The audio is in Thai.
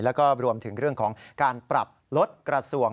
แล้วก็รวมถึงเรื่องของการปรับลดกระทรวง